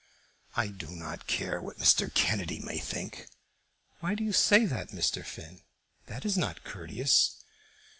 "I do not care what Mr. Kennedy may think." "Why do you say that, Mr. Finn? That is not courteous."